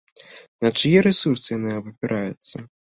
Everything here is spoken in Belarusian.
На чые рэсурсы яны абапіраюцца?